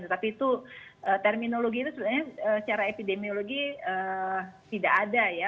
tetapi itu terminologi itu sebenarnya secara epidemiologi tidak ada ya